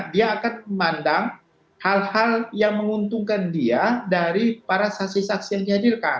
dia akan memandang hal hal yang menguntungkan dia dari para saksi saksi yang dihadirkan